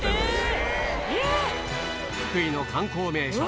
福井の観光名所